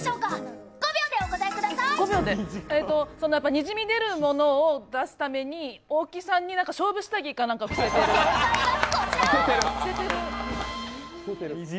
にじみ出るものを出すために大木さんに勝負下着なんかを着せてる。